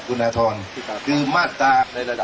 ครับกุณนาทรคือมาตรา